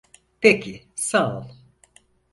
Peki, sağ ol.